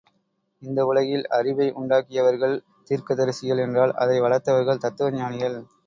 இந்த உலகில் அறிவை உண்டாக்கியவர்கள் தீர்க்கதரிசிகள் என்றால் அதை வளர்த்தவர்கள் தத்துவஞானிகள்.